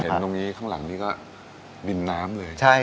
ตรงนี้ข้างหลังนี้ก็บินน้ำเลย